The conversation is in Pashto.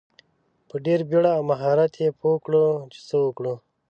په ډیره بیړه او مهارت یې پوه کړو چې څه وکړو.